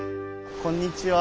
こんにちは。